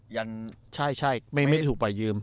ยันใช่ใช่ไม่ถูกปล่อยยืม